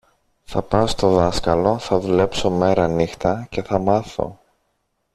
Θα πάω στο δάσκαλο, θα δουλέψω μέρανύχτα, και θα μάθω!